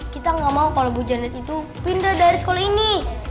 kita nggak mau kalau ibu janet itu pindah dari sekolah ini